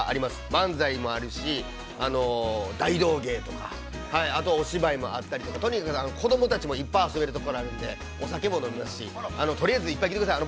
漫才もあるし、大道芸とか、あとお芝居もあったりとかとにかく子供たちもいっぱい遊べるところがあるので、お酒も飲めますし、とりあえずいっぱい来てください。